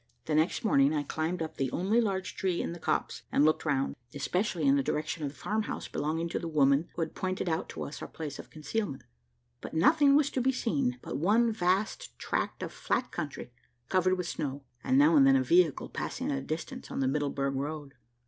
The next morning I climbed up the only large tree in the copse and looked round, especially in the direction of the farm house belonging to the woman who had pointed out to us our place of concealment; but nothing was to be seen but one vast tract of flat country covered with snow, and now and then a vehicle passing at a distance on the Middleburg road.